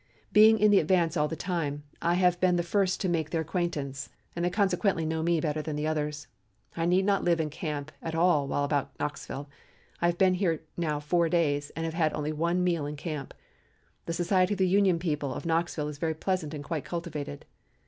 Being in the advance all the time, I have been the first to make their acquaintance, and they consequently know me better than others. I need not live in camp at all while about Knoxville. I have been here now four days and have had only one meal in camp. The society of the Union people of Knoxville is very pleasant and quite cultivated.